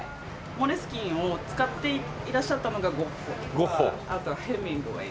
モレスキンを使っていらっしゃったのがゴッホとかあとはヘミングウェイとか。